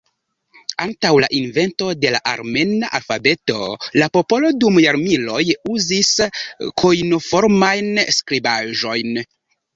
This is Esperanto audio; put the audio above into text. Antaŭ la invento de la armena alfabeto la popolo dum jarmiloj uzis kojnoformajn skribaĵojn.